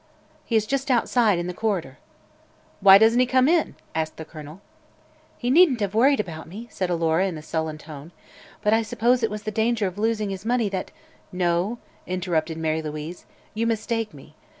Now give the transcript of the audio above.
"He is just outside, in the corridor." "Why doesn't he come in?" asked the Colonel. "He needn't have worried about me," said Alora, in sullen tone, "but I suppose it was the danger of losing his money that " "No," interrupted Mary Louise; "you mistake me.